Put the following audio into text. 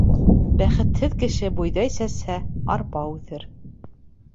Бәхетһеҙ кеше бойҙай сәсһә, арпа үҫер.